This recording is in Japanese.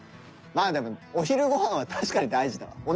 まあでもお昼ご飯は確かに大事だわ。